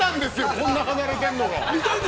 こんなに離れているの。